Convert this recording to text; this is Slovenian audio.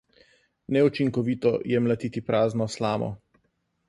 Neučinkovito je mlatiti prazno slamo.